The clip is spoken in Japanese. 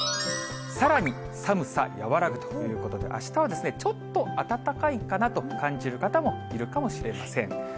さらに寒さ和らぐということで、あしたはちょっと暖かいかなと感じる方もいるかもしれません。